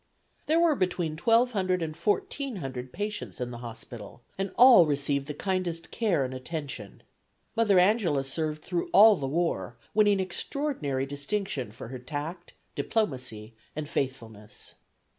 There were between 1200 and 1400 patients in the hospital, and all received the kindest care and attention. Mother Angela served through all the war, winning extraordinary distinction for tact, diplomacy and faithfulness.